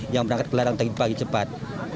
yang berangkat ke larang tadi pagi cepat